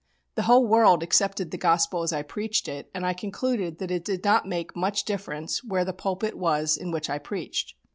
The whole world accepted the Gospel as I preached it, and I concluded that it did not make much difference where the pulpit was in which I preached.